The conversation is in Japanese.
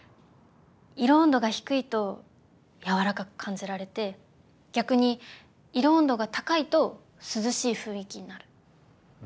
色温度が低いと柔らかく感じられて逆に色温度が高いと涼しい雰囲気になる。